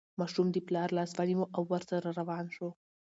ماشوم د پلار لاس ونیو او ورسره روان شو.